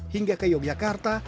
hingga ke yogyakarta